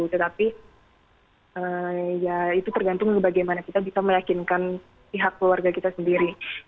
tetapi ya itu tergantung bagaimana kita bisa meyakinkan pihak keluarga kita sendiri